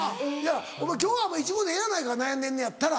今日はイチゴでええやないか悩んでんねやったら。